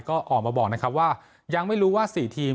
ก็ออกมาบอกว่ายังไม่รู้ว่าสี่ทีม